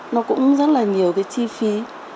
nó cũng rất là nhiều cái chi phí